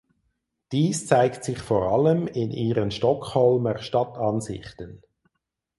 Dies zeigt sich vor allem in ihren Stockholmer Stadtansichten.